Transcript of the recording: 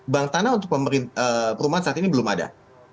bank tanah untuk perumahan saat ini belum ada